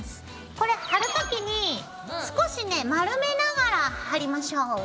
これ貼る時に少しね丸めながら貼りましょう。